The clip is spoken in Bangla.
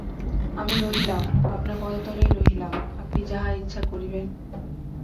আমি রহিলাম–আপনার পদতলেই রহিলাম, আপনি যাহা ইচ্ছা করিবেন।